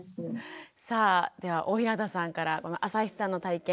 さあでは大日向さんからあさひさんの体験